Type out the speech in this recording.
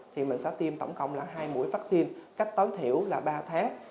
thì mình sẽ tiêm tổng cộng là hai mũi vaccine cách tối thiểu là ba tháng